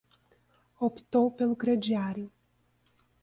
Optou pelo crediário